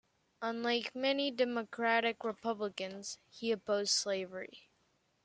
Unlike many Democratic-Republicans, he opposed slavery.